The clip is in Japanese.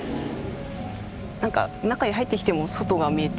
中へ入ってきても外が見えて。